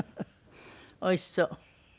おいしそう。